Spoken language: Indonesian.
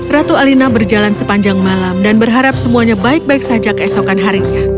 ratu alina berjalan sepanjang malam dan berharap semuanya baik baik saja keesokan harinya